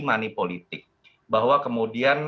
money politik bahwa kemudian